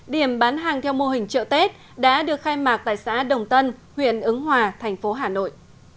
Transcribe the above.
điểm bán hàng theo mô hình chợ tết đã được khai mạc tại xã đồng tân huyện ứng hòa thành phố hà nội